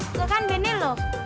gak kan benil loh